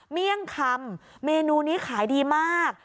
เลี่ยงคำเมนูนี้ขายดีมาก